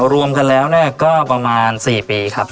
รวมกันแล้วก็ประมาณ๔ปีครับ